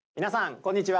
こんにちは。